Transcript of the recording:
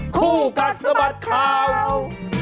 คู่กัดสมัติข่าว